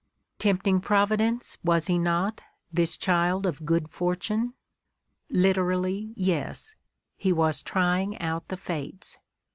Tempting Providence, was he not, this child of good fortune? Literally, yes; he was trying out the fates.